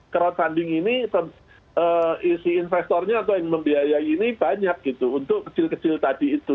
crowdfunding ini isi investornya atau yang membiayai ini banyak gitu untuk kecil kecil tadi itu